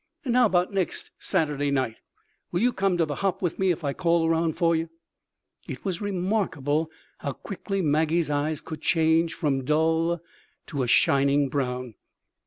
And how about next Saturday night? Will you come to the hop with me if I call around for you?" It was remarkable how quickly Maggie's eyes could change from dull to a shining brown.